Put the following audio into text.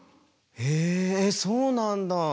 へえそうなんだ。